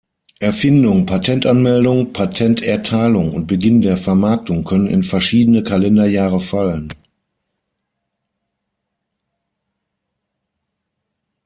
Erfindung, Patentanmeldung, Patenterteilung und Beginn der Vermarktung können in verschiedene Kalenderjahre fallen.